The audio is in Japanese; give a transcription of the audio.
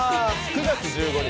９月１５日